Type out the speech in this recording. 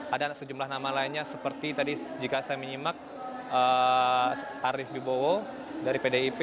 ada sejumlah nama lainnya seperti tadi jika saya menyimak arief bibowo dari pdip